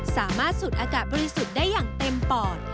สูดอากาศบริสุทธิ์ได้อย่างเต็มปอด